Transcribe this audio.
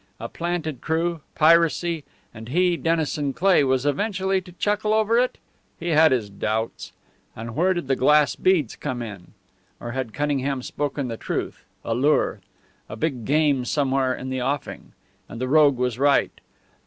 A planted crew, piracy and he, Dennison Cleigh, was eventually to chuckle over it! He had his doubts. And where did the glass beads come in? Or had Cunningham spoken the truth a lure? A big game somewhere in the offing. And the rogue was right!